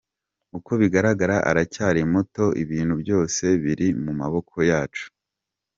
Uko bigaragara aracyari muto, ibintu byose biri mu maboko yacu.